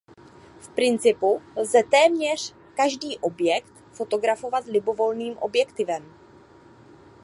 V principu lze téměř každý objekt fotografovat libovolným objektivem.